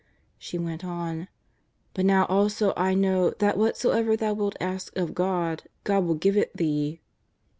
She went on :" But now also I know that what soever Thou wilt ask of God, God will give it Thee."